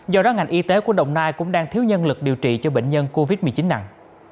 do đó ngành y tế của đồng nai cũng đang thiếu nhân lực điều trị cho bệnh nhân covid một mươi chín nặng